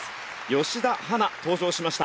吉田陽菜登場しました。